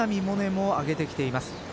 萌寧も上げてきています。